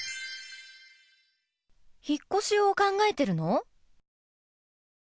引っ越しを考えてるの？